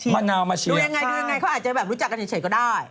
มะนาวมาเชียร์ค่ะดูยังไงเขาอาจจะรู้จักกันเฉยก็ได้